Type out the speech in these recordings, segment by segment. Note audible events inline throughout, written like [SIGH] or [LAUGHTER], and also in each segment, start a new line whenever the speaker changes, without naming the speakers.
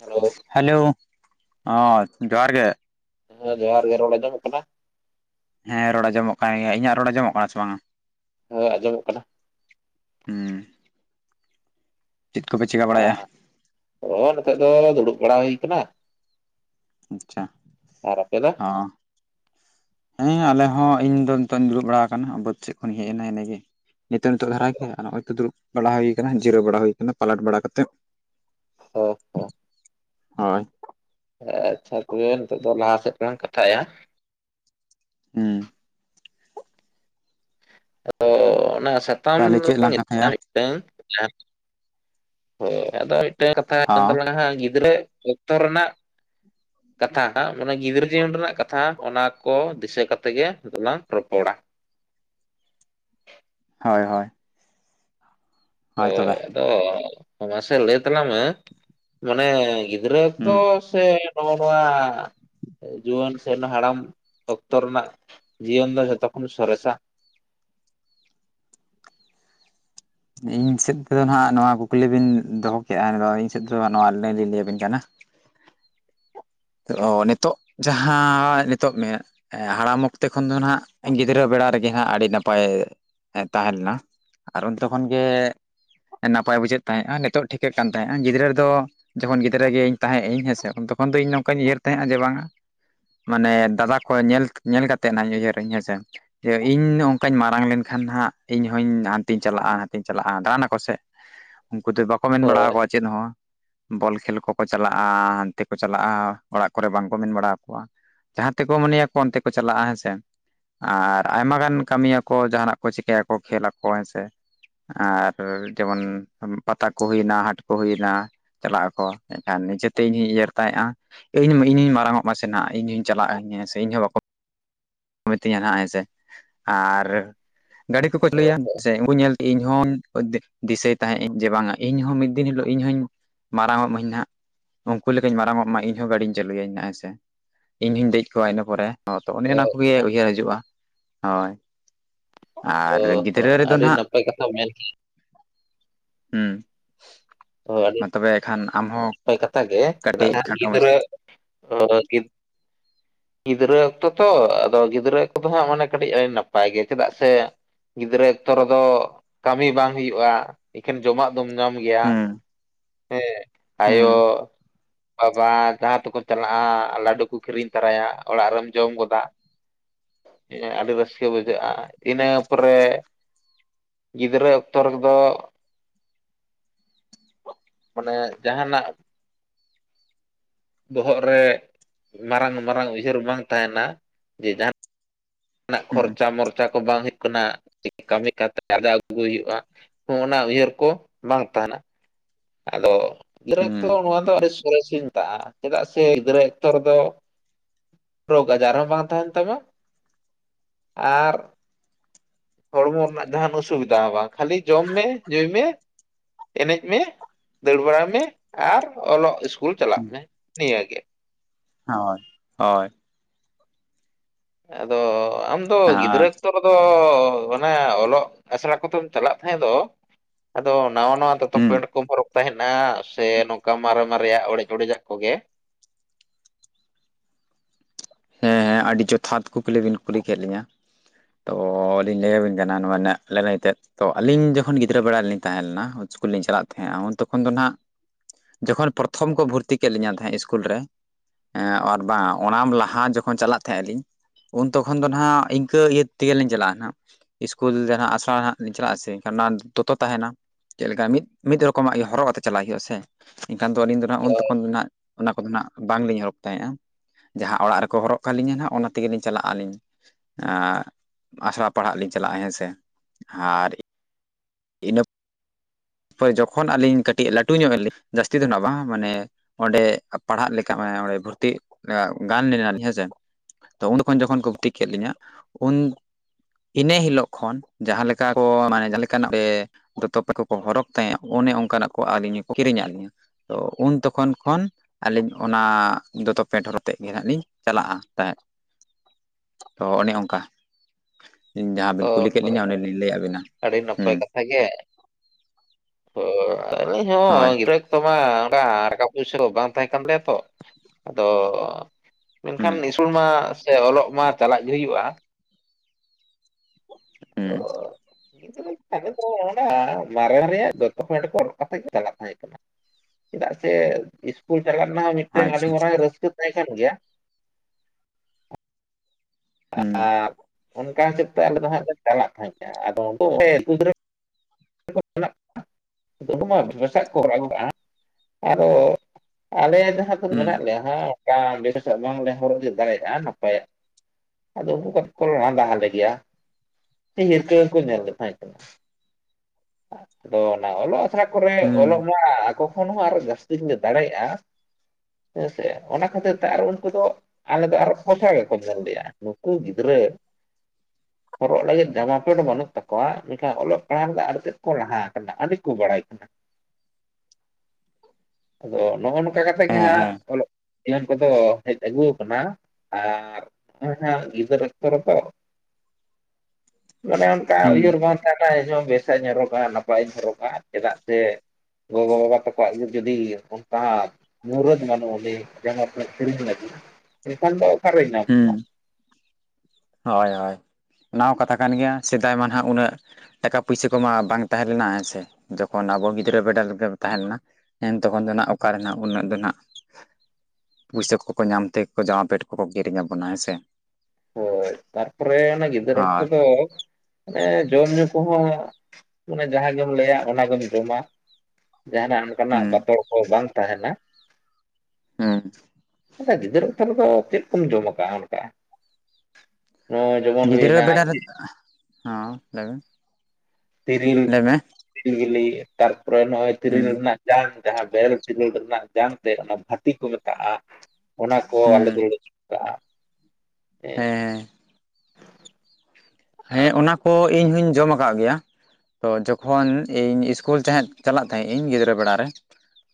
Hello
hello ᱦᱚᱸ ᱡᱚᱦᱟᱨ ᱜᱮ᱾
ᱦᱮᱸ ᱡᱚᱦᱟᱨ ᱜᱮ ᱨᱚᱲ ᱟᱸᱡᱚᱢᱚᱜ ᱠᱟᱱᱟ?
ᱦᱮᱸ ᱨᱚᱲ ᱟᱸᱡᱚᱢᱚᱜ ᱠᱟᱱ ᱜᱮᱭᱟ ᱤᱧᱟᱜ ᱨᱚᱲ ᱟᱸᱡᱚᱢᱚᱜ ᱠᱟᱱᱟ ᱥᱮ ᱵᱟᱝᱟ?
ᱦᱳ ᱟᱡᱚᱢᱚᱜ ᱠᱟᱱᱟ᱾
ᱦᱩᱸ ᱪᱮᱫ ᱠᱚᱯᱮ ᱪᱤᱠᱟ ᱵᱟᱲᱟᱭᱮᱜ-ᱟ?
ᱱᱚᱜ-ᱚ ᱱᱤᱛᱚᱜ ᱫᱚ ᱫᱩᱲᱩᱵ ᱵᱟᱲᱟ ᱦᱩᱭ ᱠᱟᱱᱟ᱾ ᱟᱨ ᱟᱯᱮ ᱫᱚ
ᱟᱪᱪᱷᱟ-ᱚᱸ᱾ ᱦᱮᱸ ᱟᱞᱮ ᱦᱚᱸ ᱤᱧᱫᱚ ᱱᱤᱛᱚᱧ ᱫᱩᱲᱩᱵ ᱵᱟᱲᱟ ᱠᱟᱱᱟ ᱵᱟᱹᱫᱽ ᱥᱮᱫ ᱠᱷᱚᱱᱤᱧ ᱦᱮᱡ ᱮᱱᱟ ᱮᱱᱮᱜᱮ᱾ ᱱᱤᱛᱚᱜ ᱱᱤᱛᱚᱜ ᱫᱷᱟᱨᱟ ᱜᱮ ᱟᱨ ᱚᱸᱜ-ᱚᱭ ᱱᱤᱛᱚᱜ ᱫᱩᱲᱩᱵ ᱵᱟᱲᱟ ᱦᱩᱭ ᱠᱟᱱᱟ ᱡᱤᱨᱟᱹᱣ ᱵᱟᱲᱟ ᱦᱩᱭ ᱠᱟᱱᱟ ᱯᱟᱞᱟᱴ ᱵᱟᱲᱟ ᱠᱟᱛᱮᱜ᱾
ᱦᱳᱭ ᱛᱚ᱾
ᱦᱳᱭ᱾
ᱟᱪᱪᱷᱟ ᱛᱚᱵᱮ ᱱᱤᱛᱚᱜ ᱫᱚ ᱞᱟᱦᱟ ᱥᱮᱫ ᱞᱟᱝ ᱠᱟᱛᱷᱟᱭᱟ᱾
ᱦᱩᱸ᱾
ᱟᱫᱚ ᱚᱱᱟ ᱥᱟᱛᱟᱢ
ᱛᱟᱦᱚᱞᱮ
ᱫᱚ
ᱪᱮᱫ
'
ᱞᱟᱝ ᱠᱟᱛᱷᱟᱭᱟ
[UNINTELLIGIBLE] '᱾ ᱴᱟᱹᱝ ᱦᱳᱭ ᱟᱫᱚ ᱢᱤᱜᱴᱟᱹᱝ ᱠᱟᱛᱷᱟ ᱦᱩᱭᱩᱜ ᱠᱟᱱ
ᱦᱚᱸ
ᱛᱟᱞᱟᱝ-ᱟ ᱦᱟᱸᱜ ᱜᱤᱫᱽᱨᱟᱹ᱾ ᱛᱚ ᱨᱮᱱᱟᱜ᱾ ᱠᱟᱛᱷᱟ ᱴᱟᱜ ᱢᱟᱱᱮ ᱜᱤᱫᱟᱹᱨ ᱡᱤᱭᱚᱱ ᱨᱮᱱᱟᱜ ᱠᱟᱛᱷᱟ ᱚᱱᱟ ᱠᱚ ᱫᱤᱥᱟᱹ ᱠᱟᱛᱮ ᱜᱮ ᱫᱚᱞᱟᱝ ᱨᱚᱯᱚᱲᱟ᱾
ᱦᱳᱭ ᱦᱳᱭ᱾
ᱦᱳᱭ ᱟᱫᱚ ᱢᱟᱥᱮ ᱞᱟᱹᱭ ᱛᱟᱞᱟᱝ ᱢᱮ ᱢᱟᱱᱮ ᱜᱤ ᱨᱮᱥᱚ
ᱦᱩᱸ
ᱥᱮ ᱱᱚᱜ ᱱᱚᱣᱟ ᱡᱩᱣᱟᱹᱱ ᱥᱮ ᱱᱟ ᱦᱟᱲᱟᱢ ᱚᱠᱛᱚ ᱨᱮᱱᱟᱜ ᱡᱤᱭᱚᱱ ᱫᱚ ᱡᱚᱛᱚ ᱠᱷᱚᱱ ᱥᱚᱨᱮᱥᱟ᱾
ᱤᱧ ᱥᱮᱫ ᱛᱮᱫᱚ ᱱᱷᱟᱜ ᱱᱚᱣᱟ ᱠᱩᱠᱞᱤ ᱵᱤᱱ ᱫᱚᱦᱚ ᱠᱮᱜ-ᱟ ᱟᱫᱚ ᱤᱧ ᱥᱮᱫ ᱛᱮᱫᱚ ᱦᱟᱸᱜ ᱱᱚᱣᱟ ᱞᱟᱹᱭ ᱞᱤᱧ ᱞᱟᱹᱭ ᱟᱵᱮᱱ ᱠᱟᱱᱟ᱾ ᱛᱚ ᱱᱤᱛᱚᱜ ᱡᱟᱸᱦᱟ ᱱᱤᱛᱚᱜ ᱢᱮᱭᱟ ᱮᱸ ᱦᱟᱲᱟᱢ ᱚᱠᱛᱮ ᱠᱷᱚᱱ ᱫᱚ ᱱᱷᱟᱜ ᱜᱤᱫᱽᱨᱟᱹ ᱵᱮᱲᱟ ᱨᱮᱜᱮ ᱦᱟᱸᱜ ᱟᱰᱤ ᱱᱟᱯᱟᱭ ᱮ ᱛᱟᱦᱮ ᱞᱮᱱᱟ᱾ ᱟᱨ ᱚᱱᱛᱮ ᱠᱷᱚᱱ ᱜᱮ ᱱᱟᱯᱟᱭ ᱵᱩᱡᱷᱟᱹᱜ ᱛᱟᱸᱦᱮᱜ-ᱟ ᱱᱤᱛᱚᱜ ᱴᱷᱤᱠᱟᱹᱜ ᱠᱟᱱ ᱛᱟᱸᱦᱮᱜ-ᱟ ᱜᱤᱫᱽᱨᱟᱹ ᱨᱮᱫᱚ ᱡᱮᱢᱚᱱ ᱜᱤᱫᱽᱨᱟᱹ ᱜᱮᱭᱤᱧ ᱛᱟᱸᱦᱮᱜ ᱟᱹᱧ ᱦᱮᱸ ᱥᱮ ᱛᱚᱠᱷᱚᱱ ᱫᱚ ᱤᱧ ᱱᱚᱝᱠᱟᱧ ᱩᱭᱦᱟᱹᱨ ᱛᱟᱸᱦᱮᱜ-ᱟ ᱡᱮ ᱵᱟᱝᱟ ᱢᱟᱱᱮ ᱫᱟᱫᱟ ᱠᱚ ᱧᱮᱞ ᱧᱮᱞ ᱠᱟᱛᱮ ᱱᱷᱟᱜ ᱩᱭᱦᱟᱹᱨ ᱟᱹᱧ ᱦᱮᱸ ᱥᱮ᱾ ᱡᱮ ᱤᱧ ᱱᱚᱝᱠᱟᱧ ᱢᱟᱨᱟᱝ ᱞᱮᱱᱠᱷᱟᱱ ᱦᱟᱸᱜ ᱤᱧ ᱦᱚᱧ ᱦᱟᱱᱛᱤᱧ ᱪᱟᱞᱟᱜ-ᱟ ᱱᱟᱛᱮᱧ ᱪᱟᱞᱟᱜ-ᱟ ᱫᱟᱸᱬᱟᱱᱟᱠᱚ ᱥᱮ ᱩᱱᱠᱩ ᱫᱚ ᱵᱟᱠᱚ ᱢᱮᱱ ᱵᱟᱲᱟᱣ
ᱦᱳᱭ
ᱠᱚᱣᱟ ᱪᱮᱫ ᱦᱚᱸ᱾ ᱵᱚᱞ ᱠᱷᱮᱞ ᱠᱚᱠᱚ ᱪᱟᱞᱟᱜ-ᱟ ᱦᱟᱱᱛᱮ ᱠᱚ ᱪᱟᱞᱟᱜ-ᱟ᱾ ᱚᱲᱟᱜ ᱠᱚᱨᱮ ᱵᱟᱝ ᱠᱚ ᱢᱮᱱ ᱵᱟᱲᱟᱣ ᱠᱚᱣᱟ ᱡᱟᱦᱟ ᱛᱮᱠᱚ ᱢᱚᱱᱮᱭᱟᱠᱚ ᱚᱱᱛᱮ ᱠᱚ ᱪᱟᱞᱟᱜ-ᱟ ᱦᱮᱸ ᱥᱮ ᱟᱨ ᱟᱭᱢᱟ ᱜᱟᱱ ᱠᱟᱢᱤᱭᱟᱠᱚ ᱡᱟᱦᱟ ᱱᱟᱜ ᱠᱚ ᱪᱤᱠᱟᱭᱟᱠᱚ ᱠᱷᱮᱞ ᱟᱠᱚ ᱦᱮᱸ ᱥᱮ ᱟᱨ ᱡᱮᱢᱚᱱ ᱯᱟᱛᱟ ᱠᱚ ᱦᱩᱭᱮᱱᱟ ᱦᱟᱴ ᱠᱚ ᱦᱩᱭᱮᱱᱟ ᱪᱟᱞᱟᱜ ᱟᱠᱚ ᱮᱱᱠᱷᱟᱱ ᱱᱤᱡᱮᱛᱮ ᱤᱧ ᱦᱩᱧ ᱩᱭᱦᱟᱹᱨ ᱛᱟᱦᱮᱸᱜ-ᱟ ᱤᱧ ᱤᱧ ᱦᱩᱧ ᱢᱟᱨᱟᱝᱚᱜ ᱢᱟᱥᱮ ᱱᱷᱟᱜ ᱤᱧ ᱦᱩᱧ ᱪᱟᱞᱟᱜ ᱟᱹᱧ ᱥᱮ ᱤᱧ ᱦᱚᱸ ᱵᱟᱠᱚ ᱢᱤᱛᱤᱧᱟ ᱱᱷᱟᱜ ᱦᱮᱸᱥᱮ ᱟᱨ ᱜᱟᱰᱤ ᱠᱚᱠᱚ ᱞᱟᱹᱭᱟ ᱥᱮ ᱩᱱᱠᱩ ᱧᱮᱞᱛᱮ ᱤᱧ ᱦᱚᱧ ᱫᱤᱥᱟᱹᱭ ᱛᱟᱦᱮᱸᱜ ᱟᱹᱧ ᱡᱮ ᱵᱟᱝᱟ ᱤᱧᱦᱚᱸ ᱢᱤᱫ ᱫᱤᱱ ᱦᱤᱞᱳᱜ ᱤᱧ ᱦᱚᱧ ᱢᱟᱨᱟᱝ ᱚᱜ ᱢᱟᱹᱧ ᱱᱷᱟᱜ ᱩᱱᱠᱩ ᱞᱮᱠᱟᱧ ᱢᱟᱨᱟᱝ ᱚᱜ ᱢᱟ ᱤᱧᱦᱚᱸ ᱜᱟᱰᱤᱧ ᱪᱟᱞᱩᱭᱟᱧ ᱱᱟᱜ ᱦᱮᱸᱥᱮ ᱤᱧ ᱦᱩᱧ ᱫᱮᱡ ᱠᱚᱣᱟ ᱤᱱᱟᱹ ᱯᱚᱨᱮ ᱦᱚᱸ ᱛᱚ ᱚᱱᱮ ᱚᱱᱟ ᱠᱚᱜᱮ ᱩᱭᱦᱟᱹᱨ ᱦᱤᱡᱩᱜ-ᱟ ᱦᱳᱭ ᱟᱨ
ᱚ ᱦᱚ
ᱜᱤᱫᱽᱨᱟᱹ ᱨᱮᱫᱚ
ᱟᱹᱰᱤ
ᱱᱷᱟᱜ
ᱱᱟᱯᱟᱭ ᱠᱟᱛᱷᱟ ᱢᱮᱱ
ᱦᱩᱸ᱾
ᱛᱚ ᱟᱰᱤ
ᱢᱟ ᱛᱚᱵᱮ ᱠᱷᱟᱱ ᱟᱢᱦᱚᱸ
ᱦᱳᱭ ᱠᱟᱛᱷᱟ ᱜᱮ ᱪᱮᱫᱟᱜ
ᱠᱟᱹᱴᱤᱡ
ᱥᱮ ᱦᱟᱸᱜ
ᱠᱷᱟᱴᱚ ᱢᱟᱪᱷᱟ
ᱜᱤᱫᱽᱨᱟᱹ ᱦᱳᱭ ᱜᱤᱫ ᱜᱤᱫᱽᱨᱟᱹ ᱚᱠᱛᱚ ᱛᱚ ᱟᱫᱚ ᱜᱤᱫᱽᱨᱟᱹ ᱚᱠᱛᱚ ᱫᱚ ᱦᱟᱸᱜ ᱢᱟᱱᱮ ᱠᱟᱴᱤᱡ ᱳᱭ ᱱᱟᱯᱟᱭ ᱜᱮ ᱪᱮᱫᱟᱜ ᱥᱮ ᱜᱤᱫᱽᱨᱟᱹ ᱚᱠᱛᱚ ᱨᱮᱫᱚ ᱠᱟᱢᱤ ᱵᱟᱝ ᱦᱩᱭᱩᱜ-ᱟ ᱮᱠᱷᱮᱱ ᱡᱚᱢᱟᱜ ᱫᱚᱢ ᱧᱟᱢ ᱜᱮᱭᱟ ᱦᱟᱸᱜ᱾
ᱦᱩᱸ
ᱦᱮᱸ ᱟᱭᱚ
ᱦᱩᱸ
ᱵᱟᱵᱟ᱾ ᱡᱟᱸᱦᱟ ᱛᱮᱠᱚ ᱪᱟᱞᱟᱜ-ᱟ ᱞᱟᱰᱩ ᱠᱩ ᱠᱤᱨᱤᱧ ᱛᱟᱨᱟᱭᱟ ᱚᱲᱟᱜ ᱨᱮᱢ ᱡᱚᱢ ᱜᱚᱫᱟ᱾ [UNINTELLIGIBLE] ᱟᱹᱰᱤ ᱨᱟᱹᱥᱠᱟᱹ ᱵᱩᱡᱷᱟᱹᱜᱼᱟ᱾ ᱤᱱᱟᱹ ᱯᱚᱨᱮ, ᱜᱤᱫᱽᱨᱟᱹ ᱚᱠᱛᱚ ᱨᱮᱫᱚ ᱱᱮ ᱡᱟᱦᱟᱸᱱᱟᱜ ᱵᱚᱦᱚᱜ ᱨᱮ, ᱢᱟᱨᱟᱝ ᱢᱟᱨᱟᱝ ᱩᱭᱦᱟᱹᱨ ᱵᱟᱝ ᱛᱟᱦᱮᱸᱱᱟ ᱡᱮ ᱡᱟᱦᱟᱸ ᱱᱟᱜ
ᱦᱩᱸ
ᱠᱷᱚᱨᱪᱟ ᱢᱚᱨᱪᱟ ᱠᱚ ᱵᱟᱝ ᱦᱩᱭᱩᱜ ᱠᱟᱱᱟᱜ ᱠᱟᱹᱢᱤ ᱠᱟᱛᱮ ᱟᱨᱡᱟᱣ ᱟᱹᱜᱩᱭ ᱦᱩᱭᱩᱜᱼᱟ, ᱚᱱᱟ ᱩᱭᱦᱟᱹᱨ ᱠᱚ ᱵᱟᱝ ᱛᱟᱦᱮᱸᱱᱟ᱾ ᱟᱫᱚ ᱜᱤᱫᱽᱨᱟᱹ ᱚᱠᱛᱚ ᱫᱚ
ᱦᱩᱸ
ᱱᱚᱣᱟ ᱫᱚ ᱟᱹᱰᱤ ᱥᱚᱨᱮᱥᱤᱧ ᱢᱮᱛᱟᱜᱼᱟ ᱪᱮᱫᱟᱜ ᱥᱮ ᱜᱤᱫᱽᱨᱟᱹ ᱚᱠᱛᱚ ᱨᱮᱫᱚ ᱨᱳᱜᱽ ᱟᱡᱟᱨ ᱦᱚᱸ ᱵᱟᱝ ᱛᱟᱦᱮᱸᱱ ᱛᱟᱢᱟ, ᱟᱨ ᱦᱚᱲᱢᱚ ᱨᱮᱱᱟᱜ ᱡᱟᱦᱟᱸᱱ ᱚᱥᱩᱵᱤᱫᱟ ᱦᱚᱸ ᱵᱟᱝ ᱠᱷᱟᱹᱞᱤ ᱡᱚᱢ ᱢᱮ, ᱧᱩᱭ ᱢᱮ, ᱮᱱᱮᱡ ᱢᱮ, ᱫᱟᱹᱲ ᱵᱟᱲᱟᱭ ᱢᱮ ᱟᱨ ᱚᱞᱚᱜ ᱤᱥᱠᱩᱞ ᱪᱟᱞᱟᱜ ᱢᱮ ᱱᱤᱭᱟᱹ ᱜᱮ᱾
ᱦᱳᱭ ᱦᱳᱭ᱾
ᱟᱫᱚ ᱟᱢ ᱫᱚ ᱜᱤᱫᱽᱨᱟᱹ ᱚᱠᱛᱚ ᱠᱚᱫᱚ ᱢᱟᱱᱮ ᱚᱞᱚᱜ ᱟᱥᱲᱟ ᱠᱚᱛᱮᱢ ᱪᱟᱞᱟᱜ ᱛᱟᱦᱮᱸᱫ ᱫᱚ ᱟᱫᱚ ᱱᱟᱣᱟ ᱱᱟᱣᱟ ᱫᱚᱛᱚ
ᱦᱩᱸ
ᱯᱮᱱᱴ ᱠᱚᱢ ᱦᱚᱨᱚᱜ ᱛᱟᱦᱮᱸᱱᱟ ᱥᱮ ᱱᱚᱝᱠᱟ ᱢᱟᱨᱮ ᱢᱟᱨᱮᱭᱟᱜ ᱚᱲᱮᱡ ᱚᱲᱮᱡᱟᱜ ᱠᱚᱜᱮ?
ᱦᱮᱸ ᱦᱮᱸ ᱟᱹᱰᱤ ᱡᱚᱛᱷᱟᱛ ᱠᱩᱠᱞᱤ ᱵᱤᱱ ᱠᱩᱞᱤ ᱠᱮᱫ ᱞᱤᱧᱟ᱾ ᱛᱚᱻ ᱞᱤᱧ ᱞᱟᱹᱭ ᱟᱵᱤᱱ ᱠᱟᱱᱟ ᱱᱚᱣᱟ ᱨᱮᱱᱟᱜ ᱞᱟᱹᱱᱟᱹᱭ ᱛᱮᱫ, ᱛᱚ ᱟᱹᱞᱤᱧ ᱡᱚᱠᱷᱚᱱ ᱜᱤᱫᱽᱨᱟᱹ ᱵᱮᱲᱟ ᱨᱮᱞᱤᱧ ᱛᱟᱦᱮᱸ ᱞᱮᱱᱟ ᱤᱥᱠᱩᱞ ᱞᱤᱧ ᱪᱟᱞᱟᱜ ᱛᱟᱦᱮᱸᱜᱼᱟ ᱩᱱ ᱛᱚᱠᱷᱚᱱ ᱫᱚ ᱱᱟᱦᱟᱜ ᱡᱚᱠᱷᱚᱱ ᱯᱨᱚᱛᱷᱚᱢ ᱠᱚ ᱵᱷᱩᱨᱛᱤ ᱠᱮᱫ ᱞᱤᱧᱟ ᱛᱟᱦᱮᱸᱫ ᱩᱥᱠᱩᱞ ᱨᱮ, ᱦᱮᱸ ᱟᱨ ᱵᱟᱝ ᱚᱱᱟᱢ ᱞᱟᱦᱟ ᱡᱚᱠᱷᱚᱱ ᱪᱟᱞᱟᱜ ᱛᱟᱦᱮᱸᱜ ᱟᱞᱤᱧ, ᱩᱱ ᱛᱚᱠᱷᱚᱱ ᱫᱚ ᱱᱟᱦᱟᱜ ᱤᱱᱠᱟᱹ ᱤᱭᱟᱹ ᱛᱮᱜᱮᱞᱤᱧ ᱪᱟᱞᱟᱜᱼᱟ ᱱᱟᱦᱟᱜ᱾ ᱤᱥᱠᱩᱞ ᱡᱟᱦᱟᱸ ᱟᱥᱲᱟ ᱦᱟᱸᱜ ᱞᱤᱧ ᱪᱟᱞᱟᱜᱼᱟ ᱥᱮ ᱮᱱᱠᱷᱟᱱ ᱚᱱᱟ ᱫᱚᱛᱚ ᱛᱟᱦᱮᱸᱱᱟ, ᱪᱮᱫ ᱞᱮᱠᱟ ᱢᱤᱫ ᱢᱤᱫ ᱨᱚᱠᱚᱢᱟᱜ ᱜᱮ ᱦᱚᱨᱚᱜ ᱠᱟᱛᱮᱜ ᱪᱟᱞᱟᱜ ᱦᱩᱭᱩᱜᱼ ᱟ ᱥᱮ, ᱮᱱᱠᱷᱟᱱ ᱫᱚ ᱟᱹᱞᱤᱧ ᱫᱚ ᱦᱟᱸᱜ ᱩᱱ ᱛᱚᱠᱷᱚᱱ ᱫᱚ ᱱᱟᱦᱟᱜ ᱚᱱᱟ ᱠᱚᱫᱚ ᱱᱟᱦᱟᱜ ᱵᱟᱝ ᱞᱤᱧ ᱦᱚᱨᱚᱜ ᱛᱟᱦᱮᱸᱫᱼᱟ, ᱡᱟᱦᱟᱸ ᱚᱲᱟᱜ ᱨᱮᱠᱚ ᱦᱚᱨᱚᱜ ᱚᱠᱟ ᱞᱤᱧᱟ ᱱᱟᱦᱟᱜ ᱚᱱᱟ ᱛᱮᱜᱮᱞᱤᱧ ᱪᱟᱞᱟᱜᱼᱟ ᱟᱹᱞᱤᱧ᱾ ᱟᱸᱻ, ᱟᱥᱲᱟ ᱯᱟᱲᱦᱟᱜ ᱞᱤᱧ ᱪᱟᱞᱟᱜᱼᱟ ᱦᱮᱸ ᱥᱮ ᱟᱨ ᱤᱱᱟᱹ ᱯᱚᱨᱮ ᱡᱚᱠᱷᱚᱱ ᱟᱹᱞᱤᱧ ᱠᱟᱹᱴᱤᱡᱽ ᱞᱟᱹᱴᱩ ᱧᱚᱜ ᱮᱱᱟ ᱞᱤᱧ ᱡᱟᱹᱥᱛᱤ ᱫᱚ ᱱᱟᱦᱟᱜ ᱵᱟᱝ ᱢᱟᱱᱮ ᱚᱸᱰᱮ ᱯᱟᱲᱦᱟᱜ ᱞᱮᱠᱟ ᱢᱟᱱᱮ ᱚᱸᱰᱮ ᱵᱷᱩᱨᱛᱤᱜ ᱜᱟᱱ ᱞᱮᱱᱟ ᱞᱤᱧ ᱦᱮᱸ ᱥᱮ᱾ ᱛᱚ ᱩᱱ [INAUDIBLE] ᱛᱚᱠᱷᱚᱱ ᱡᱚᱠᱷᱚᱱ ᱠᱚ ᱵᱷᱚᱨᱛᱤ ᱠᱮᱫ ᱞᱤᱧᱟᱹ ᱩᱱ ᱤᱱᱟᱹ ᱦᱤᱞᱳᱜ ᱠᱷᱚᱱ ᱡᱟᱦᱟᱸ ᱞᱮᱠᱟ ᱠᱚ ᱢᱟᱱᱮ ᱡᱟᱦᱟᱸ ᱞᱮᱠᱟᱱᱟᱜ ᱜᱮ ᱫᱚᱛᱚ‌ [INAUDIBLE] ᱠᱚ ᱦᱚᱨᱚᱜᱽ ᱛᱟᱦᱮᱸᱜ-ᱟ, ᱚᱱᱮ ᱚᱝᱠᱟᱱᱟᱜ ᱠᱚ ᱟᱹᱞᱤᱧ ᱦᱚᱸ ᱠᱚ ᱠᱤᱨᱤᱧ ᱟᱫ ᱞᱤᱧᱟ, ᱛᱚ ᱩᱱ ᱛᱚᱠᱷᱚᱱ ᱠᱷᱚᱱ ᱟᱹᱞᱤᱧ ᱚᱱᱟ ᱫᱚᱛᱚ ᱯᱮᱱᱴ ᱦᱚᱨᱚᱜ ᱟᱛᱮᱜ ᱜᱮ ᱦᱟᱸᱜ ᱞᱤᱧ ᱪᱟᱞᱟᱜᱼᱟ ᱛᱟᱦᱮᱸᱫ᱾ ᱛᱚ ᱚᱱᱮ ᱚᱝᱠᱟ᱾ ᱡᱟᱦᱟᱸ
ᱚ
ᱵᱤᱱ ᱠᱩᱞᱤ ᱠᱮᱫ ᱞᱤᱧᱟᱹ ᱚᱱ ᱞᱤᱧ ᱞᱟᱹᱭᱟᱫ ᱵᱤᱱᱟ ᱦᱩᱸ᱾
ᱛᱮᱜᱮ, ᱛᱚᱻ ᱟᱹᱞᱤᱧ
ᱦᱳᱭ
ᱦᱚᱸ [UNINTELLIGIBLE] ᱛᱚᱢᱟ ᱚᱝᱠᱟ ᱴᱟᱠᱟ ᱯᱩᱭᱥᱟᱹ ᱠᱚ ᱵᱟᱝ ᱛᱟᱦᱮᱸ ᱠᱟᱱ ᱛᱟᱞᱮᱭᱟ ᱛᱚ, ᱟᱫᱚ
ᱦᱩᱸ
ᱢᱮᱱᱠᱷᱟᱱ ᱤᱥᱠᱩᱞ ᱢᱟ ᱥᱮ ᱚᱞᱚᱜ ᱢᱟ ᱪᱟᱞᱟᱜ ᱜᱮ ᱦᱩᱭᱩᱜᱼᱟ, ᱟᱫᱚ
ᱦᱩᱸ᱾
ᱜᱤᱫᱽᱨᱟᱹ ᱡᱚᱠᱷᱟᱡᱽ ᱨᱮᱫᱚ ᱚᱱᱮ ᱢᱟᱨᱮ ᱨᱮᱭᱟᱜ ᱫᱚᱛᱚ ᱯᱮᱱᱰ ᱠᱚ ᱦᱚᱨᱚᱜ ᱠᱟᱛᱮ ᱜᱮ ᱪᱟᱞᱟᱜ ᱛᱟᱦᱮᱸᱜ ᱠᱟᱱᱟ᱾ ᱪᱮᱫᱟᱜ ᱥᱮ ᱤᱥᱠᱩᱞ ᱪᱟᱞᱟᱜ ᱨᱮᱱᱟᱜ ᱢᱤᱫᱴᱮᱱ ᱟᱹᱰᱤ
ᱟᱪᱪᱷᱟ
ᱢᱟᱨᱟᱝ ᱨᱟᱹᱥᱠᱟᱹ ᱛᱟᱦᱮᱸ ᱠᱟᱱ ᱜᱮᱭᱟ,
ᱦᱩᱸ
ᱟᱨ, ᱚᱱᱠᱟ ᱦᱤᱥᱟᱹᱵ ᱛᱮ ᱟᱞᱮ ᱫᱚ ᱦᱟᱸᱜ ᱞᱮ ᱪᱟᱞᱟᱜ ᱛᱟᱦᱮᱸᱫ-ᱟ ᱟᱫᱚ [UNINTELLIGIBLE] [UNINTELLIGIBLE] ᱟᱨᱚ ᱟᱞᱮ ᱡᱟᱦᱟᱸ ᱛᱤᱱᱟᱹᱜ
ᱦᱩᱸ
ᱢᱮᱱᱟᱜ ᱞᱮᱭᱟ ᱦᱟᱸᱜ ᱚᱝᱠᱟ [UNINTELLIGIBLE] ᱵᱟᱝᱞᱮ ᱦᱚᱨᱚᱜ ᱤᱫᱤ ᱫᱟᱲᱮᱭᱟᱜᱼᱟ ᱱᱟᱯᱟᱭᱟᱜ ᱟᱫᱚ ᱩᱱᱠᱩ ᱠᱟᱴ ᱠᱚ ᱞᱟᱸᱫᱟ ᱦᱟᱞᱮ ᱜᱮᱭᱟ, ᱦᱮᱸ ᱱᱤᱠᱟᱹ ᱜᱮᱠᱚ ᱧᱮᱞ ᱞᱮ ᱛᱟᱦᱮᱸᱡ ᱠᱟᱱᱟ᱾ ᱟᱜ ᱟᱫᱚ ᱚᱱᱟ ᱚᱞᱚᱜᱼᱟ? ᱛᱟᱨᱟ ᱠᱚᱨᱮ ᱚᱞᱚᱜ
ᱦᱩᱸ
ᱢᱟ ᱟᱠᱚ ᱠᱷᱚᱱ ᱦᱚᱸ ᱟᱨᱦᱚ ᱡᱟᱹᱥᱛᱤ ᱜᱮᱞᱮ ᱫᱟᱲᱮᱭᱟᱜᱼᱟ, ᱦᱮᱸ ᱥᱮ ᱚᱱᱟ ᱠᱷᱟᱹᱛᱤᱨ ᱛᱮ ᱟᱨ ᱩᱱᱠᱩ ᱫᱚ ᱟᱞᱮ ᱫᱚ ᱟᱨᱦᱚ ᱠᱚᱴᱷᱮ ᱜᱮᱠᱚ ᱡᱷᱟᱞ ᱞᱮᱭᱟ ᱱᱩᱠᱩ ᱜᱤᱫᱽᱨᱟᱹ, ᱦᱚᱨᱚᱜ ᱞᱟᱹᱜᱤᱫ ᱡᱟᱢᱟ ᱯᱮᱸᱴ ᱵᱟᱹᱱᱩᱜ ᱛᱟᱠᱚᱣᱟ ᱢᱮᱸᱠᱷᱟᱱ ᱚᱞᱚᱜ ᱯᱟᱲᱦᱟᱜ ᱨᱮᱫᱚ ᱟᱹᱰᱤ ᱛᱮᱫ ᱠᱚ ᱞᱟᱦᱟ ᱟᱠᱟᱱᱟ, ᱟᱹᱰᱤ ᱠᱚ ᱵᱟᱲᱟᱭ ᱠᱟᱱᱟ᱾ ᱟᱫᱚ ᱱᱚᱜᱼᱚ ᱱᱚᱠᱟ ᱠᱟᱛᱮ ᱜᱮ
ᱦᱮᱸ
ᱦᱟᱸᱜ
ᱦᱮᱸ
ᱚᱞᱚᱜ ᱜᱮᱭᱟᱱ ᱠᱚᱫᱚ ᱦᱮᱡᱽ ᱟᱹᱜᱩ ᱟᱠᱟᱱᱟ ᱟᱨ ᱱᱚᱜᱼᱚᱸᱭ ᱦᱟᱸᱜ ᱜᱤᱫᱟᱹᱨ ᱳᱠᱛᱳ ᱨᱮᱫᱚ ᱢᱟᱱᱮ ᱚᱱᱠᱟ
ᱦᱩᱸ
ᱩᱭᱦᱟᱹᱨ ᱵᱟᱝ ᱛᱟᱦᱮᱸᱱᱟ, ᱦᱮᱡ ᱦᱚᱸ ᱵᱮᱥ ᱪᱟᱜ ᱤᱧ ᱦᱚᱨᱚᱜᱽᱼᱟ ᱦᱟᱸᱜ ᱱᱟᱯᱟᱭᱤᱧ ᱦᱚᱨᱚᱜᱽᱼᱟ ᱦᱟᱸᱜ ᱪᱮᱫᱟᱜ ᱡᱮ ᱜᱚᱼᱵᱟᱵᱟ ᱵᱟᱵᱟ ᱛᱟᱠᱚᱣᱟᱜ ᱜᱮ ᱡᱩᱫᱤ ᱚᱱᱠᱟ ᱢᱩᱨᱟᱹᱫ ᱵᱟᱱᱩᱜ ᱟᱹᱱᱤᱡ ᱡᱮᱢᱚᱱ ᱟᱹᱠᱷᱤᱨᱤᱧ ᱞᱟᱹᱜᱤᱫ ᱮᱸᱠᱷᱟᱱ ᱫᱚ ᱚᱠᱟᱨᱤᱧ ᱧᱟᱢ ᱠᱚᱣᱟ?
ᱦᱩᱸ ᱦᱳᱭ ᱦᱳᱭ ᱚᱱᱟ ᱦᱚᱸ ᱠᱟᱛᱷᱟ ᱠᱟᱱ ᱜᱮᱭᱟ ᱥᱮᱫᱟᱭ ᱢᱟ ᱱᱷᱟᱸᱜ ᱩᱱᱟᱹᱜ ᱴᱟᱠᱟ ᱯᱩᱭᱥᱟᱹ ᱠᱚᱢᱟ ᱵᱟᱝ ᱛᱟᱦᱮᱸ ᱞᱮᱱᱟ ᱦᱮᱸ ᱥᱮ ᱡᱚᱠᱷᱚᱱ ᱟᱵᱚ ᱜᱤᱫᱽᱨᱟᱹ ᱵᱮᱲᱟ ᱨᱮᱜᱮ ᱛᱟᱦᱮᱸ ᱞᱮᱱᱟ, ᱮᱱ ᱛᱚᱠᱷᱚᱱ ᱫᱚ ᱱᱷᱟᱸᱜ ᱚᱠᱟ ᱨᱮ ᱱᱷᱟᱸᱜ ᱩᱱᱟᱹᱜ ᱫᱚ ᱱᱷᱟᱸᱜ ᱯᱩᱭᱥᱟᱹ ᱠᱚᱠᱚ ᱧᱟᱢ ᱛᱮᱜᱚ ᱠᱚ ᱡᱟᱢᱟ ᱯᱮᱸᱴ ᱠᱚᱠᱚ ᱠᱤᱨᱤᱧ ᱟᱵᱚᱱᱟ ᱦᱮᱸ ᱥᱮ?
ᱦᱳᱭ ᱛᱟᱨᱯᱚᱨᱮ ᱚᱱᱟ ᱜᱤᱫᱟᱹᱨ ᱚᱠᱛᱳ
ᱦᱳᱭ
ᱫᱚ ᱢᱟᱱᱮ ᱡᱚᱢ ᱧᱩᱸ ᱠᱚᱦᱚᱸ ᱢᱟᱱᱮ ᱡᱟᱦᱟᱸ ᱜᱮᱢ ᱞᱟᱹᱭᱼᱟ ᱚᱱᱟ ᱜᱮᱢ ᱡᱚᱢᱼᱟ, ᱡᱟᱦᱟᱸᱱᱟᱜ ᱚᱱᱠᱟᱱᱟᱜ
ᱦᱩᱸ
ᱵᱟᱛᱚᱲ ᱠᱚ ᱵᱟᱝ ᱛᱟᱦᱮᱸᱱᱟ᱾
ᱦᱩᱸ
ᱟᱫᱚ ᱜᱤᱫᱟᱹᱨ ᱚᱠᱛᱚ ᱨᱮᱫᱚ ᱪᱮᱫ ᱠᱚᱢ ᱟᱠᱟᱜᱼᱟ ᱚᱱᱠᱟ? ᱱᱚᱣᱟ ᱡᱚᱸ-
ᱜᱤᱫᱽᱨᱟᱹ ᱵᱮᱲᱟ ᱨᱮ [UNINTELLIGIBLE] ᱦᱚᱸ ᱞᱟᱹᱭ ᱵᱮᱱ?
ᱛᱤᱨᱤᱞ ᱵᱤᱞᱤ ᱛᱟᱨᱯᱚᱨᱮ ᱱᱚᱜᱼᱚᱭ ᱛᱤᱨᱤᱞ
ᱦᱩᱸ
ᱨᱮᱱᱟᱜ ᱡᱟᱝ ᱡᱟᱦᱟᱸ ᱵᱮᱨᱮᱞ ᱴᱤᱨᱤᱞ ᱨᱮᱱᱟᱜ ᱡᱟᱝ ᱛᱮᱫ ᱚᱱᱟ ᱵᱷᱟᱹᱛᱤ ᱠᱚ ᱢᱮᱛᱟᱜᱼᱟ, ᱚᱱᱟ ᱠᱚ
ᱦᱩᱸ
ᱟᱞᱮ ᱫᱚᱞᱮ [UNINTELLIGIBLE] ᱠᱟᱜᱼᱟ᱾
ᱦᱮᱸ ᱦᱮᱸ᱾ ᱦᱮᱸ ᱚᱱᱟ ᱠᱚ ᱤᱧ ᱦᱩᱧ ᱡᱚᱢ ᱟᱠᱟᱜ ᱜᱮᱭᱟ᱾ ᱛᱚ ᱡᱚᱠᱷᱚᱱ ᱤᱧ ᱤᱥᱠᱩᱞ ᱪᱟᱸᱦᱮᱫ ᱪᱟᱞᱟᱜ ᱛᱟᱦᱮᱸ ᱤᱧ ᱜᱤᱫᱽᱨᱟᱹ ᱵᱮᱲᱟ ᱨᱮ,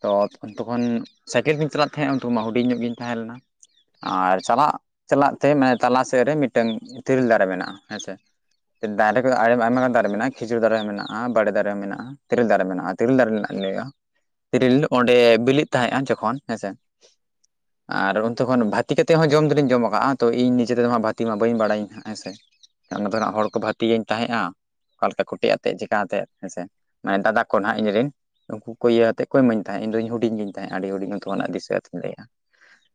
ᱛᱚ ᱛᱚᱠᱷᱚᱱ ᱛᱚᱠᱷᱚᱱ ᱥᱟᱭᱠᱮᱞ ᱛᱤᱧ ᱪᱟᱞᱟᱜ ᱛᱟᱦᱮᱸᱜ ᱩᱱ ᱛᱳ ᱢᱟ ᱦᱩᱰᱤᱧ ᱧᱚᱸᱜ ᱜᱤᱧ ᱛᱟᱦᱮᱸ ᱞᱮᱱᱟ, ᱟᱸᱨ ᱪᱟᱞᱟᱜ ᱪᱟᱞᱟᱜ ᱛᱮ ᱢᱮᱱᱮ ᱛᱟᱞᱟ ᱥᱮᱜ ᱨᱮ ᱢᱤᱫᱴᱟᱹᱝ ᱛᱤᱨᱤᱞ ᱫᱟᱨᱮ ᱢᱮᱱᱟᱜᱼᱟ ᱦᱮᱸ ᱥᱮ᱾ ᱮᱸ ᱫᱟᱨᱮ ᱠᱚᱫᱚ ᱟᱭ ᱟᱭᱢᱟ ᱜᱟᱱ ᱫᱟᱨᱮ ᱢᱮᱱᱟᱜᱼᱟ ᱠᱷᱤᱡᱩᱨ ᱫᱟᱨᱮ ᱦᱚᱸ ᱢᱮᱱᱟᱜᱼᱟ, ᱵᱟᱲᱮ ᱫᱟᱨᱮ ᱦᱚᱸ ᱢᱮᱱᱟᱜᱼᱟ, ᱛᱤᱨᱤᱞ ᱫᱟᱨᱮ ᱢᱮᱱᱟᱜᱼᱟ, ᱛᱤᱨᱤᱞ ᱫᱟᱨᱮ ᱨᱮᱱᱟᱜ ᱞᱤᱧ ᱞᱟᱹᱭᱼᱮᱜᱼᱟ᱾ ᱛᱤᱨᱤᱞ ᱚᱸᱰᱮ ᱵᱤᱞᱤᱫ ᱛᱟᱦᱮᱸᱜᱼᱟ ᱡᱚᱠᱷᱚᱱ ᱦᱮᱸᱥᱮ,
[INAUDIBLE]
ᱟᱨ ᱚᱱᱛᱮ ᱠᱷᱚᱱ ᱵᱷᱟᱛᱤ ᱠᱟᱛᱮᱜ ᱦᱚᱸ ᱡᱚᱢ ᱫᱚᱞᱤᱧ ᱡᱚᱢ ᱟᱠᱟᱜᱼᱟ, ᱛᱚ ᱤᱧ ᱱᱤᱡᱮ ᱛᱮᱢᱟ ᱵᱷᱟᱹᱛᱤ ᱢᱟ ᱵᱟᱹᱧ ᱵᱟᱲᱟᱭᱟᱹᱧ ᱦᱟᱸᱜ ᱦᱮᱸ ᱥᱮ᱾ ᱟᱸ ᱚᱱᱟ ᱫᱚ ᱱᱷᱟᱸᱜ ᱦᱚᱲ ᱠᱚ ᱵᱷᱟᱹᱛᱤ ᱟᱹᱧ ᱛᱟᱦᱮᱸᱜᱼᱟ, ᱚᱠᱟ ᱞᱮᱠᱟ ᱠᱚᱴᱮᱜ ᱟᱛᱮᱜ ᱪᱮᱠᱟ ᱦᱟᱛᱮᱫ ᱦᱮᱸ ᱥᱮ ᱢᱟᱱᱮ ᱫᱟᱫᱟ ᱠᱚ ᱱᱷᱟᱸᱜ ᱤᱧᱨᱤᱱ, ᱩᱝᱠᱩ ᱠᱚ ᱤᱭᱟᱹ ᱦᱟᱛᱮᱫ ᱠᱚ ᱤᱢᱟᱹᱧ ᱛᱟᱦᱮᱸᱜ ᱤᱧᱫᱩᱧ ᱦᱩᱰᱤᱧ ᱜᱤᱧ ᱛᱟᱦᱮᱸᱜᱼᱟ, ᱟᱹᱰᱤ ᱦᱩᱰᱤᱧ ᱩᱱ ᱛᱷᱚᱢᱚ ᱱᱟᱜ ᱫᱤᱥᱟᱹ ᱟᱫᱩᱧ ᱞᱟᱹᱭᱮᱜᱼᱟ᱾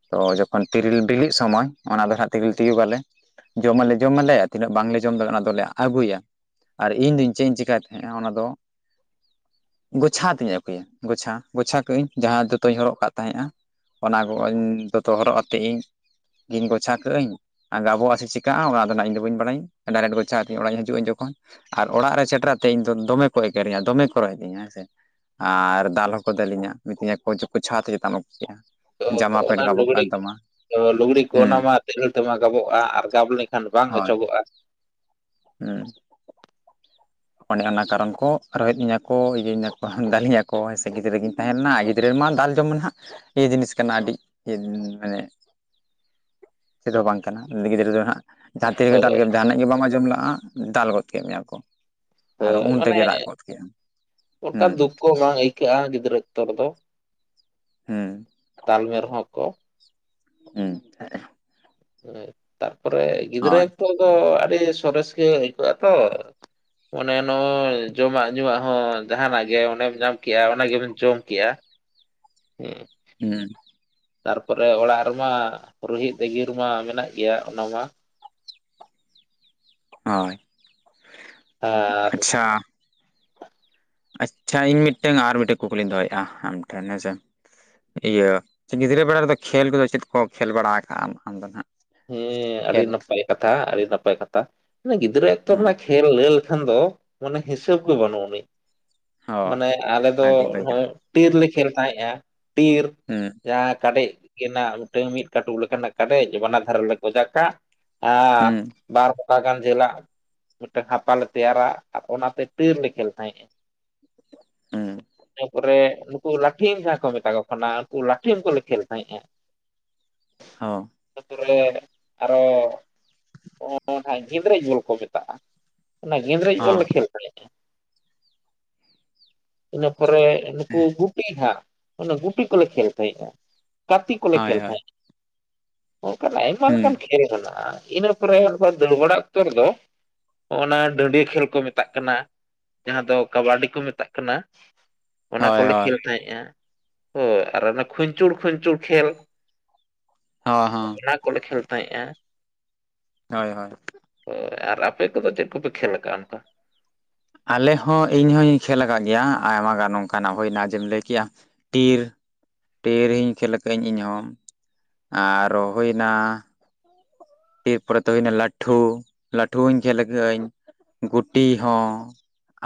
ᱛᱚ ᱡᱚᱠᱷᱚᱱ ᱛᱤᱨᱤᱞ ᱵᱤᱞᱤᱜ ᱥᱚᱢᱚᱭ ᱚᱱᱟ ᱫᱚ ᱱᱷᱟᱸᱜ ᱛᱤᱨᱤᱞ ᱛᱤᱭᱩᱜᱽ ᱟᱞᱮ ᱡᱚᱢ ᱟᱞᱮ ᱡᱚᱢ ᱟᱞᱮ ᱛᱤᱱᱟᱹᱜ ᱵᱟᱝ ᱞᱮ ᱡᱚᱢ ᱫᱟᱲᱮᱼᱟ, ᱚᱱᱟ ᱫᱚᱞᱮ ᱟᱹᱜᱩᱭᱟ ᱟᱨ ᱤᱧᱫᱩᱧ ᱪᱮᱜ ᱤᱧ ᱪᱮᱠᱟᱭ ᱛᱟᱦᱮᱸᱜᱼᱟ ᱚᱱᱟ ᱫᱚ ᱜᱚᱪᱷᱟ ᱦᱟᱛᱤᱧ ᱟᱹᱜᱩᱭᱟ ᱜᱚᱪᱷᱟ ᱜᱚᱪᱷᱟ ᱠᱟᱜ ᱟᱹᱧ ᱡᱟᱦᱟᱸ ᱫᱚᱛᱚᱧ ᱦᱚᱨᱚᱜ ᱠᱟᱜ ᱛᱟᱦᱮᱸᱜᱼᱟ ᱚᱱᱟ ᱜᱚᱜ ᱤᱧ ᱫᱚᱛᱚ ᱦᱚᱨᱚᱜ ᱟᱛᱮᱜ ᱤᱧ ᱤᱧ ᱜᱚᱪᱷᱟ ᱠᱟᱜ ᱟᱹᱧ ᱟᱨ ᱜᱟᱵᱚᱜᱼᱟ ᱥᱮ ᱪᱮᱠᱟᱜᱼᱟ ᱚᱱᱟ ᱫᱚ ᱱᱷᱟᱸᱜ ᱤᱧ ᱫᱚ ᱵᱟᱹᱧ ᱯᱟᱲᱟᱤᱧ ᱰᱟᱭᱨᱮᱴ ᱜᱚᱪᱷᱟ ᱟᱛᱤᱧ ᱚᱲᱟᱤᱧ ᱦᱤᱡᱩᱜᱟᱹᱧ ᱡᱚᱠᱷᱚᱱ ᱟᱨ ᱚᱲᱟᱜ ᱨᱮ ᱥᱮᱴᱮᱨ ᱟᱛᱮ ᱤᱧ ᱫᱚ ᱫᱚᱢᱮ ᱠᱚ ᱮᱸᱜᱮᱨᱤᱧᱟ ᱫᱚᱢᱮ ᱠᱚ ᱨᱚᱦᱮᱫᱤᱧᱟ ᱦᱮᱸ ᱥᱮ ᱟᱨ ᱫᱟᱞ ᱦᱚᱸ ᱠᱚ ᱫᱟᱹᱞᱤᱧᱟ ᱢᱤᱛᱟᱹᱧᱟᱠᱚ ᱡᱚ ᱪᱷᱟ ᱠᱟᱛᱮ ᱪᱮᱫᱟ ᱮᱢ ᱟᱹᱜᱩᱠᱮᱫᱟ
ᱛᱚ ᱚᱱᱟ ᱞᱩᱜᱲᱤᱜ ᱛᱚ ᱞᱩᱜᱽᱲᱤ ᱠᱚ
ᱦᱩᱸ
ᱚᱱᱟ ᱢᱟ ᱛᱤᱨᱤᱞ ᱛᱮᱢᱟ ᱜᱟᱵᱚᱜᱼᱟ ᱟᱨ ᱜᱟᱵ ᱞᱮᱱᱠᱷᱟᱱ ᱵᱟᱝ
ᱦᱳᱭ
ᱚᱪᱚᱜᱚᱜᱼᱟ᱾
ᱦᱩᱸ ᱚᱱᱮ ᱚᱱᱟ ᱠᱟᱨᱚᱱ ᱠᱚ ᱨᱚᱦᱮᱫ ᱤᱧᱟᱹ ᱠᱚ ᱤᱭᱟᱹᱧᱟᱹᱠᱚ ᱫᱟᱹᱞᱤᱧᱟᱠᱚ ᱦᱮᱸ ᱥᱮ ᱜᱤᱫᱽᱨᱟᱹ ᱜᱤᱧ ᱛᱟᱦᱮᱸ ᱞᱮᱱᱟ ᱜᱤᱫᱽᱨᱟᱹ ᱨᱮᱢᱟ ᱫᱟᱞ ᱡᱚᱢ ᱢᱟᱱᱮ ᱦᱟᱸᱜ ᱤᱭᱟᱹ ᱡᱤᱱᱤᱥ ᱠᱟᱱᱟ ᱟᱹᱰᱤ ᱤᱭᱟᱹ ᱢᱟᱱᱮ ᱪᱮᱫ ᱦᱚᱸ ᱵᱟᱝ ᱠᱟᱱᱟ ᱞᱤᱜᱤᱫᱽᱨᱟᱹ ᱨᱮᱢᱟ ᱦᱟᱜ ᱡᱟᱦᱟᱸ ᱛᱤᱨᱮᱜᱮ ᱫᱟᱞ
ᱦᱳᱭ
ᱠᱮᱫ ᱡᱟᱦᱟᱱᱟᱜ ᱜᱮ ᱵᱟᱢ ᱟᱸᱡᱚᱢ ᱞᱟᱜᱼᱟ ᱫᱟᱞ ᱜᱚᱫ ᱠᱮᱫ ᱢᱮᱭᱟ ᱠᱚ ᱟᱨ
ᱦᱳᱭ
ᱩᱱ
ᱢᱟᱱᱮ
ᱨᱮᱜᱮ ᱨᱟᱜ ᱜᱚᱫ ᱠᱮᱜ ᱟᱢ ᱦᱩᱸ
ᱚᱱᱠᱟᱱ ᱫᱩᱠ ᱠᱚ ᱵᱟᱝ ᱟᱹᱭᱠᱟᱹᱜᱼᱟ ᱜᱤᱫᱽᱨᱟᱹ ᱚᱠᱛᱚ ᱨᱮᱫᱚ
ᱦᱩᱸ
ᱛᱟᱞ ᱢᱮ ᱨᱮᱦᱚᱸ ᱠᱚ
ᱦᱩᱸ
ᱛᱟᱨᱯᱚᱨᱮ ᱜᱤᱫᱽᱨᱟᱹ
ᱦᱳᱭ
ᱚᱠᱛᱚ ᱫᱚ ᱟᱹᱰᱤ ᱥᱚᱨᱮᱥ ᱜᱮ ᱟᱹᱭᱠᱟᱹᱜᱼᱟ ᱛᱚ ᱚᱱᱮ ᱱᱚᱜᱼᱚᱭ ᱡᱚᱢᱟᱜ ᱧᱩᱣᱟᱜ ᱦᱚᱸ ᱡᱟᱦᱟᱱᱟᱜ ᱜᱮ ᱚᱱᱮᱢ ᱧᱟᱢ ᱠᱮᱜᱼᱟ ᱚᱱᱟᱜᱮᱢ ᱡᱚᱢ ᱠᱮᱜᱼᱟ ᱦᱮᱸ
ᱦᱩᱸ
ᱛᱟᱨᱯᱚᱨᱮ ᱚᱲᱟᱜ ᱨᱮᱢᱟ ᱨᱳᱦᱤᱛ ᱮᱜᱮᱨ ᱢᱟ ᱢᱮᱱᱟᱜ ᱜᱮᱭᱟ ᱚᱱᱟ ᱢᱟ
ᱦᱳᱭ
ᱟᱨ
ᱟᱪᱪᱷᱟ ᱟᱪᱪᱷᱟ ᱤᱧ ᱢᱤᱫᱴᱮᱝ ᱟᱨ ᱢᱤᱫᱴᱮᱡ ᱠᱩᱠᱞᱤᱧ ᱫᱚᱦᱚᱭᱮᱫᱼᱟ ᱟᱢ ᱴᱷᱮᱱ ᱦᱮᱸ ᱥᱮ ᱤᱭᱟᱹ ᱪᱮ ᱜᱤᱫᱽᱨᱟᱹ ᱵᱮᱲᱟ ᱨᱮᱫᱚ ᱠᱷᱮᱞ ᱠᱚᱫᱚ ᱪᱮᱫ ᱠᱚ ᱠᱷᱮᱞ ᱵᱟᱲᱟ ᱟᱠᱟᱼᱟᱢ ᱟᱢ ᱫᱚ ᱱᱟᱦᱟᱜ?
ᱦᱮᱸ ᱟᱹᱰᱤ
ᱠᱷᱮᱞ
ᱱᱟᱯᱟᱭ ᱠᱟᱛᱷᱟ ᱟᱹᱰᱤ ᱱᱟᱯᱟᱭ ᱠᱟᱛᱷᱟ ᱜᱤᱫᱽᱨᱟᱹ ᱮᱠᱛᱚ
ᱦᱮᱸ
ᱨᱮᱱᱟᱜ ᱠᱷ ᱠᱷᱮᱞ ᱞᱟᱹᱭ ᱞᱮᱠᱷᱟᱱ ᱫᱚ ᱢᱟᱱᱮ ᱦᱤᱥᱟᱹᱵ ᱜᱮ ᱵᱟᱹᱱᱩ ᱟᱹᱱᱤᱡ
ᱦᱳᱭ
ᱢᱟᱱᱮ ᱟᱞᱮ ᱫᱚ
ᱟᱹᱰᱤ ᱵᱷᱟᱹᱜᱤ
ᱱᱚᱜᱼᱚᱭ ᱴᱤᱨ ᱞᱮ ᱠᱷᱮᱞ ᱛᱟᱦᱮᱸᱫᱼᱟ ᱴᱤᱨ
ᱦᱮᱸ
ᱡᱟᱦᱟᱸ ᱠᱟᱰᱮᱡ ᱜᱮᱱᱟᱜ ᱢᱤᱫᱴᱟᱝ ᱢᱤᱫ ᱠᱟᱹᱴᱩᱵ ᱞᱮᱠᱟᱱᱟᱜ ᱠᱟᱴᱮᱡ ᱵᱟᱱᱟᱨ ᱫᱷᱟᱨᱮ ᱨᱮᱞᱮ ᱜᱚᱡᱟ ᱠᱟᱜ ᱟ
ᱦᱩᱸ
ᱵᱟᱨ ᱢᱚ ᱯᱟᱜᱟᱱ ᱡᱷᱟᱹᱞᱟᱜ ᱢᱤᱫᱴᱟᱝ ᱦᱟᱯᱟ ᱞᱮ ᱛᱮᱭᱟᱨᱟ ᱟᱨ ᱚᱱᱟᱛᱮ ᱴᱤᱨ ᱞᱮ ᱠᱷᱮᱞ ᱛᱟᱦᱮᱸᱜ ᱮ
ᱦᱩᱸ
ᱛᱟᱯᱚᱨᱮ ᱠᱩ ᱞᱟᱴᱷᱤᱢ ᱡᱟᱦᱟᱸ ᱠᱚ ᱢᱮᱛᱟ ᱠᱚ ᱠᱟᱱᱟ ᱩᱱᱠᱩ ᱞᱟᱴᱷᱤᱢ ᱠᱚᱞᱮ ᱠᱷᱮᱞ ᱛᱟᱦᱮᱸᱫᱼᱟ᱾
ᱦᱚ
ᱛᱩ ᱨᱮ ᱟᱨᱚ ᱚ ᱚ ᱱᱟᱦᱟᱜ ᱜᱤᱫᱽᱨᱟᱹ ᱡᱩᱞ ᱠᱚ ᱢᱮᱛᱟᱜᱼᱟ ᱚᱱᱟ ᱜᱤᱫᱽᱨᱡ ᱡᱳᱞ
ᱦᱚᱸ
ᱞᱮ ᱠᱷᱮᱞ ᱛᱟᱦᱮᱸᱜᱼᱟ ᱤᱱᱟᱹ ᱯᱚᱨᱮ ᱱᱩᱠᱩ ᱜᱩᱴᱤ ᱦᱟᱸᱜ ᱚᱱᱟ ᱜᱩᱴᱤ ᱠᱚᱞᱮ ᱠᱷᱮᱞ ᱛᱟᱦᱮᱸᱜᱼᱟ᱾ ᱠᱟᱯᱤ ᱠᱚᱞᱮ
ᱦᱳᱭ
ᱠᱷᱮᱞ
ᱦᱳᱭ
ᱛᱟᱦᱮᱜ ᱚᱱᱠᱟᱱ ᱟᱭᱢᱟ
ᱦᱩᱸ
ᱞᱮᱠᱟᱱ ᱠᱷᱮᱞ ᱢᱮᱱᱟᱜᱼᱟ ᱤᱱᱟᱹ ᱯᱚᱨᱮ [UNINTELLIGIBLE] ᱚᱲᱟᱜ ᱩᱛᱟᱹᱨ ᱫᱚ ᱚᱱᱟ ᱰᱟᱹᱰᱤᱭᱟᱹ ᱠᱷᱮᱞ ᱠᱚ ᱢᱮᱛᱟᱜ ᱠᱟᱱᱟ ᱡᱟᱦᱟᱸ ᱫᱚ ᱠᱟᱵᱟᱰᱤ ᱠᱚ ᱢᱮᱛᱟᱜ ᱠᱟᱱᱟ᱾ ᱚᱱᱟ
ᱦᱳᱭ
ᱠᱚᱞᱮ
ᱦᱳᱭ
ᱠᱷᱮᱞ ᱛᱟᱦᱮᱸᱫᱼᱟ ᱦᱳᱭ ᱟᱨ ᱚᱱᱟ ᱠᱷᱩᱧᱪᱩᱲ ᱠᱷᱩᱧᱪᱩᱲ ᱠᱷᱮᱞ᱾
ᱦᱚ ᱦᱚ
ᱚᱱᱟ ᱠᱚᱞᱮ ᱠᱷᱮᱞ ᱛᱟᱦᱮᱸᱫᱼᱟ᱾
ᱦᱳᱭ ᱦᱳᱭ
ᱦᱳᱭ ᱟᱨ ᱟᱯᱮ ᱠᱚᱫᱚ ᱪᱮᱫ ᱠᱚᱯᱮ ᱠᱷᱮᱞ ᱟᱠᱟᱫᱼᱟ ᱚᱱᱠᱟ?
ᱟᱞᱮ ᱦᱚᱸ ᱤᱧ ᱦᱚᱸᱧ ᱠᱷᱮᱞ ᱟᱠᱟᱫ ᱜᱮᱭᱟ ᱟᱭᱢᱟ ᱜᱟᱱ ᱚᱱᱠᱟᱱᱟᱜ ᱦᱩᱭᱱᱟ ᱡᱮᱢ ᱞᱟᱹᱭ ᱠᱮᱜᱼᱟ ᱴᱤᱨ᱾ ᱴᱤᱨ ᱤᱧ ᱠᱷᱮᱞ ᱟᱠᱟᱫᱟ ᱤᱧᱦᱚᱸ᱾ ᱟᱨ ᱨᱚ ᱦᱚᱱᱟ ᱮᱨ ᱯᱚᱨᱮ ᱫᱚ ᱦᱩᱭᱱᱟ ᱞᱟᱹᱴᱷᱩ ᱞᱟᱹᱴᱷᱩ ᱦᱚᱸᱧ ᱠᱷᱮᱞ ᱠᱟᱹᱜ-ᱟᱹᱧ, ᱜᱩᱴᱤ ᱦᱚᱸ ᱾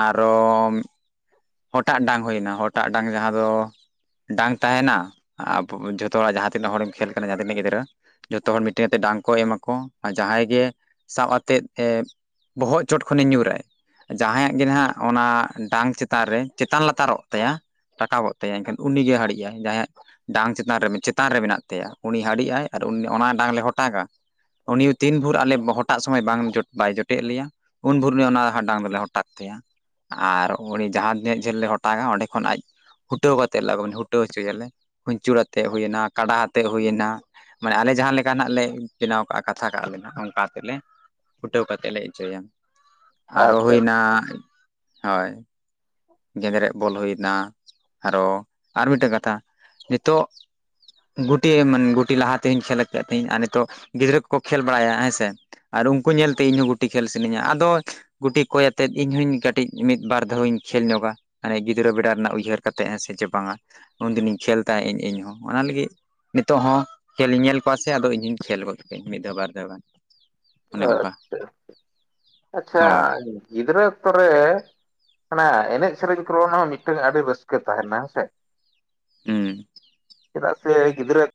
ᱟᱨᱚ ᱦᱚᱴᱟᱜ ᱰᱟᱝ ᱦᱩᱭᱱᱟ, ᱦᱚᱴᱟᱜ ᱰᱟᱝ ᱡᱟᱦᱟᱸ ᱫᱚ ᱰᱟᱝ ᱛᱟᱦᱮᱱᱟ ᱟ ᱡᱷᱚᱛᱚ ᱦᱚᱲᱟᱜ ᱡᱟᱦᱟᱸ ᱛᱤᱱᱟᱹᱜ ᱦᱚᱲᱮᱢ ᱠᱷᱮᱞ ᱠᱟᱱᱟ ᱡᱟᱦᱟᱸ ᱛᱤᱱᱟᱹᱜ ᱜᱤᱫᱽᱨᱟᱹ ᱡᱚᱛᱚ ᱦᱚᱲ ᱢᱤᱫᱴᱮᱱ ᱠᱟᱛᱮᱫ ᱰᱟᱝ ᱠᱚ ᱮᱢᱟ ᱠᱚ ᱟᱨ ᱡᱟᱦᱟᱸᱭ ᱜᱮ ᱥᱟᱵ ᱟᱛᱮᱫ ᱮ ᱵᱚᱦᱚᱜ ᱪᱚᱴ ᱠᱷᱚᱱᱮ ᱧᱩᱨᱟᱭ ᱡᱟᱦᱟᱸᱭᱟᱜ ᱜᱮ ᱱᱟᱦᱟᱜ ᱚᱱᱟ ᱰᱟᱝ ᱪᱮᱛ ᱛᱟᱱ ᱨᱮ ᱪᱮᱛᱟᱱ ᱞᱟᱛᱟᱨᱚᱜ ᱛᱟᱭᱟ ᱨᱟᱠᱟᱵᱚᱜ ᱛᱟᱭᱟ ᱮᱱᱠᱷᱟᱱ ᱩᱱᱤᱜᱭ ᱦᱟᱹᱲᱤᱡ ᱟᱭ ᱡᱟᱦᱟᱸᱭᱟᱜ ᱰᱟᱝ ᱪᱮᱛᱟᱱ ᱨᱮ ᱨᱮ ᱢᱮᱱᱟᱜ ᱛᱟᱭᱟ ᱩᱱᱤ ᱦᱟᱹᱰᱤᱜ ᱟᱭ, ᱟᱨ ᱩᱱᱤ ᱚᱱᱟ ᱰᱟᱝ ᱞᱮ ᱦᱚᱴᱟᱜᱟ ᱩᱱᱤ ᱛᱤᱱ ᱵᱷᱳᱨ ᱟᱞᱮ ᱦᱚᱴᱟᱜ ᱥᱚᱢᱚᱭ ᱵᱟᱝ ᱵᱟᱭ ᱡᱚᱴᱮᱫ ᱞᱮᱭᱟ ᱩᱱ ᱵᱷᱚᱨ ᱩᱱᱤ ᱚᱱᱟ ᱦᱟ ᱰᱟᱝ ᱫᱚᱞᱮ ᱦᱚᱴᱟᱜ ᱛᱟᱭᱟ, ᱟᱨ ᱩᱱᱤ ᱡᱟᱦᱟᱸ ᱛᱤᱱᱟᱹᱜ ᱡᱷᱟᱹᱞ ᱞᱮ ᱦᱚᱴᱟᱜᱟ ᱚᱸᱰᱮ ᱠᱷᱚᱱ ᱟᱡ ᱦᱩᱴᱟᱹᱣ ᱠᱟᱛᱮᱫ ᱞᱮ ᱟᱜᱩ ᱢᱟᱱᱮ ᱦᱩᱴᱟᱹᱣ ᱦᱚᱪᱚᱭᱟᱞᱮ ᱠᱷᱩᱧᱪᱩᱨ ᱟᱛᱮᱫ ᱦᱩᱭᱮᱱᱟ, ᱠᱟᱰᱟ ᱟᱛᱮᱫ ᱦᱩᱭᱱᱟ ᱢᱟᱱᱮ ᱟᱞᱮ ᱡᱟᱦᱟᱸ ᱞᱮᱠᱟ ᱱᱟᱜ ᱞᱮ ᱵᱮᱱᱟᱣ ᱠᱟᱜᱼᱟ ᱠᱟᱛᱷᱟ ᱠᱟᱜᱼᱟ ᱞᱮ ᱚᱱᱠᱟ ᱟᱛᱮᱜ ᱞᱮ ᱦᱩᱴᱟᱹᱣ ᱠᱟᱛᱮᱫ ᱞᱮ ᱦᱚᱪᱚᱭᱟ, ᱟᱨᱚ
ᱟᱪᱪᱷᱟ
ᱦᱩᱭᱱᱟ ᱦᱳᱭ ᱾ ᱜᱮᱫᱨᱮᱡ ᱵᱚᱞ ᱦᱩᱭ ᱮᱱᱟ, ᱟᱨᱚ ᱟᱨ ᱢᱤᱫᱴᱮᱱ ᱠᱟᱛᱷᱟ ᱱᱤᱛᱚᱜ ᱜᱩᱴᱤ ᱢᱟᱱᱮ ᱜᱩᱴᱤ ᱞᱟᱦᱟ ᱛᱮᱧ ᱠᱷᱮᱞ ᱠᱮᱫ ᱛᱟᱦᱮᱧ ᱟᱨ ᱱᱤᱛᱚᱜ ᱜᱤᱫᱽᱨᱟᱹ ᱠᱚᱠᱚ ᱠᱷᱮᱞ ᱵᱟᱲᱟᱭᱟ ᱦᱮᱸ ᱥᱮ ᱟᱨ ᱩᱱᱠᱩ ᱧᱮᱞᱛᱮ ᱤᱧ ᱦᱚᱸ ᱜᱩᱴᱤ ᱠᱷᱮᱞ ᱥᱟᱱᱟᱹᱧᱟ ᱟᱫᱚ ᱜᱩᱴᱤ ᱠᱚᱭ ᱟᱛᱮᱫ ᱤᱧ ᱦᱚᱧ ᱠᱟᱹᱴᱤᱡ ᱢᱤᱫ ᱵᱟᱨ ᱫᱷᱟᱣ ᱤᱧ ᱠᱷᱮᱞ ᱧᱚᱜᱟ ᱢᱟᱱᱮ ᱜᱤᱫᱽᱨᱟᱹ ᱵᱮᱲᱟ ᱨᱮᱱᱟᱜ ᱩᱭᱦᱟᱹᱨ ᱠᱟᱛᱮᱜ ᱦᱮᱸ ᱥᱮ ᱪᱮ ᱵᱟᱝᱟ ᱩᱱ ᱫᱤᱱ ᱤᱧ ᱠᱷᱮᱞ ᱛᱟᱦᱮᱜ ᱤᱧ ᱤᱧᱦᱚᱸ ᱚᱱᱟ ᱞᱟᱹᱜᱤᱫ ᱱᱤᱛᱚᱜ ᱦᱚᱸ ᱠᱷᱮᱞ ᱤᱧ ᱧᱮᱞ ᱠᱚᱣᱟ ᱥᱮ ᱟᱫᱚ ᱤᱧ ᱦᱚᱸᱧ ᱠᱷᱮᱞ ᱜᱚᱫ ᱠᱮᱜ ᱢᱤᱫ ᱫᱷᱟᱣ ᱵᱟᱨ ᱫᱷᱟᱣ ᱜᱟᱱ ᱾
ᱟᱪᱪᱷᱟ, ᱟᱪᱪᱷᱟ
ᱦᱳᱭ
ᱜᱤᱫᱽᱨᱟᱹ ᱚᱠᱛᱚ ᱨᱮ ᱚᱱᱟ ᱮᱱᱮᱡ ᱥᱮᱨᱮᱧ ᱠᱚᱨᱮᱱᱟᱜ ᱦᱚᱸ ᱢᱤᱫᱴᱟᱝ ᱟᱹᱰᱤ ᱨᱟᱹᱥᱠᱟᱹ ᱛᱟᱦᱮᱱᱟ ᱦᱮᱸ ᱥᱮ ᱾
ᱦᱩᱸ ᱾
ᱪᱮᱫᱟᱜ ᱥᱮ ᱜᱤᱫᱽᱨᱟᱹ